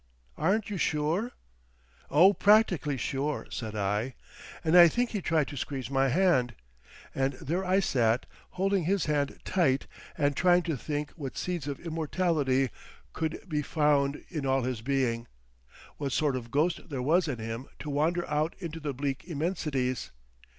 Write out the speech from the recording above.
"Aren't you sure?" "Oh—practically sure," said I, and I think he tried to squeeze my hand. And there I sat, holding his hand tight, and trying to think what seeds of immortality could be found in all his being, what sort of ghost there was in him to wander out into the bleak immensities.